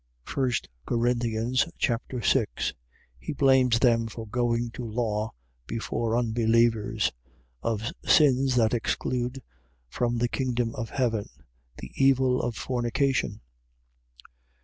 1 Corinthians Chapter 6 He blames them for going to law before unbelievers. Of sins that exclude from the kingdom of heaven. The evil of fornication.